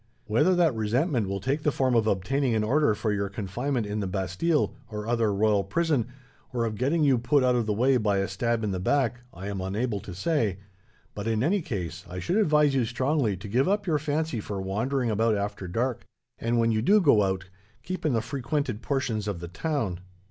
Whether that resentment will take the form of obtaining an order for your confinement in the Bastille, or other royal prison, or of getting you put out of the way by a stab in the back, I am unable to say, but in any case, I should advise you strongly to give up your fancy for wandering about after dark; and when you do go out, keep in the frequented portions of the town.